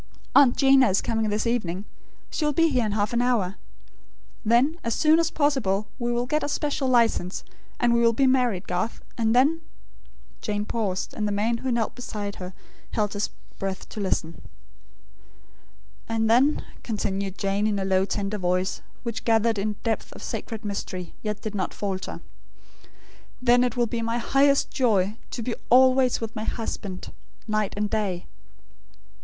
Aunt 'Gina is coming this evening. She will be here in half an hour. Then, as soon as possible we will get a special license; and we will be married, Garth; and then " Jane paused; and the man who knelt beside her, held his breath to listen "and then," continued Jane in a low tender voice, which gathered in depth of sacred mystery, yet did not falter "then it will be my highest joy, to be always with my husband, night and day."